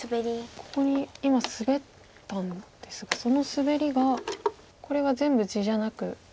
ここに今スベったんですがそのスベリがこれが全部地じゃなくすると。